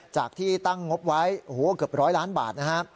จากที่ตั้งงบไว้โอ้โหเกือบร้อยล้านบาทนะฮะ